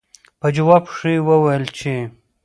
پۀ جواب کښې يې وويل چې